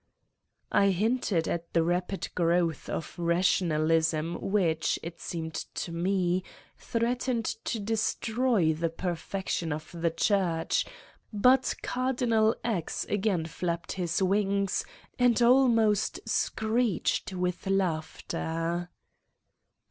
I hinted at the rapid growth of rationalism which, it seemed to me, threatened to destroy the 72 Satan's Diary 11 perfection" of the Church, but Cardinal X. again flapped his wings and almost screeched with laughter.